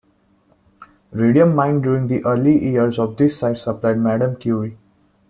Radium mined during the early years of this site supplied Madame Curie.